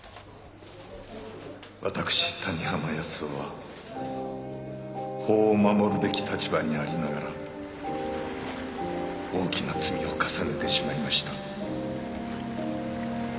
私谷浜康雄は法を守るべき立場にありながら大きな罪を重ねてしまいました。